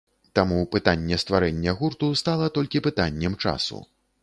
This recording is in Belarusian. Таму пытанне стварэння гурту стала толькі пытаннем часу.